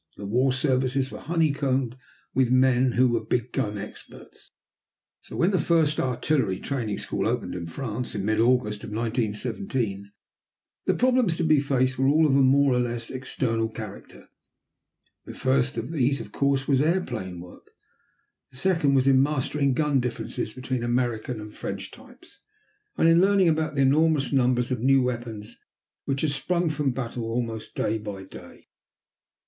The war services were honeycombed with men who were big gun experts. So when the first artillery training school opened in France, in mid August of 1917, the problems to be faced were all of a more or less external character. The first of these, of course, was airplane work. The second was in mastering gun differences between American and French types, and in learning about the enormous numbers of new weapons which had sprung from battle almost day by day.